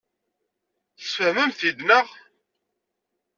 Tesfehmem-t-id, naɣ?